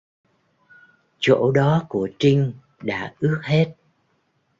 Chỗ đó của trinh đã ướt hết